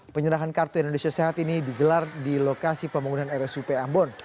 penyerahan kartu indonesia sehat ini digelar di lokasi pembangunan rsup ambon